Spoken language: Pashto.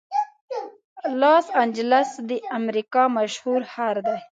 لاس انجلس د امریکا مشهور ښار دی.